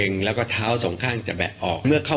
ทางรองผู้บัญชาการตำรวจแห่งชาติเป็นคนให้ข้อมูลเองนะคะ